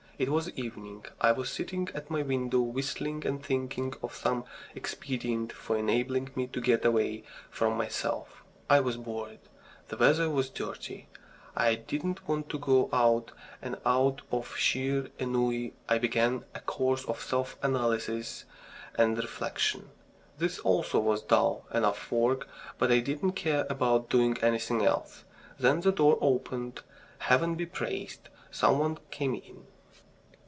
It was evening. I was sitting at my window whistling and thinking of some expedient for enabling me to get away from myself. I was bored; the weather was dirty. I didn't want to go out, and out of sheer ennui I began a course of self analysis and reflection. This also was dull enough work, but I didn't care about doing anything else. Then the door opened. Heaven be praised! Some one came in.